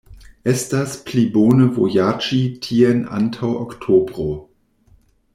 Estas pli bone vojaĝi tien antaŭ oktobro.